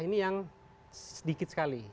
ini yang sedikit sekali